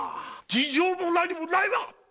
事情も何もないわっ！